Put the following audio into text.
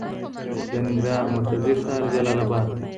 د ننګرهار مرکزي ښار جلالآباد دی.